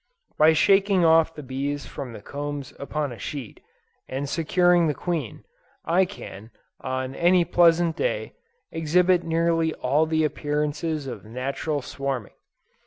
By shaking off the bees from the combs upon a sheet, and securing the queen, I can, on any pleasant day, exhibit nearly all the appearances of natural swarming.